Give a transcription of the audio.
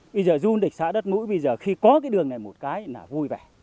bây giờ du lịch xã đất mũi bây giờ khi có cái đường này một cái là vui vẻ